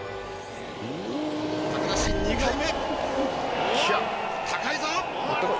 高梨２回目。